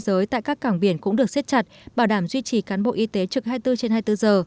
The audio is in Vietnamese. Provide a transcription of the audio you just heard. giới tại các cảng biển cũng được xếp chặt bảo đảm duy trì cán bộ y tế trực hai mươi bốn trên hai mươi bốn giờ